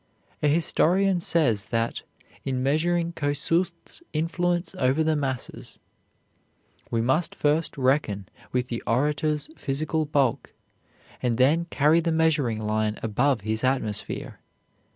A historian says that, in measuring Kossuth's influence over the masses, "we must first reckon with the orator's physical bulk, and then carry the measuring line above his atmosphere."